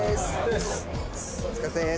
お疲れです。